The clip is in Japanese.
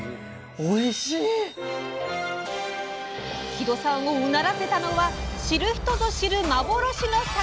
木戸さんをうならせたのは知る人ぞ知る幻の魚！